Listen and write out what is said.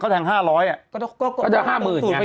ก็จะ๕๐๐๐๐ไง